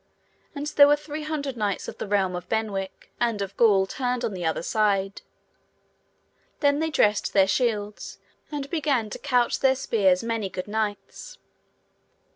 And there were three hundred knights of the realm of Benwick and of Gaul turned on the other side. Then they dressed their shields, and began to couch their spears many good knights.